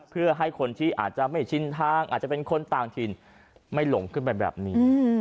เพื่อให้คนที่อาจจะไม่ชินทางอาจจะเป็นคนต่างถิ่นไม่หลงขึ้นไปแบบนี้